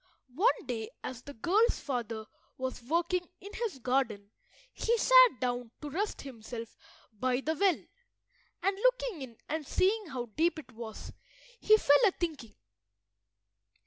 One day as the girl's father was working in his garden he sat down to rest himself by the well, and, looking in, and seeing how deep it was, he fell a–thinking.